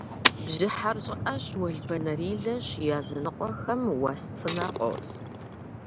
Бжьыхьэр щӏыӏэщ, уэлбанэрилэщ, языныкъуэхэм уэс цӏынэ къос.